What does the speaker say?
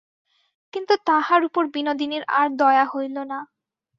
কিন্তু তাহার উপর বিনোদিনীর আর দয়া হইল না।